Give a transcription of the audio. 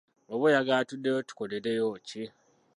Oba oyagala tuddeyo tukolereyo ki?